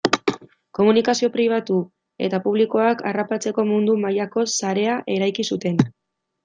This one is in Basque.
Komunikazio pribatu eta publikoak harrapatzeko mundu mailako sarea eraiki zuten.